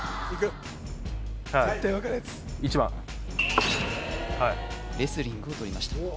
１番はいレスリングを取りました